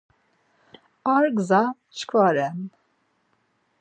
Ar gza çkva ren.